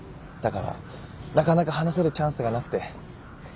だからなかなか話せるチャンスがなくて。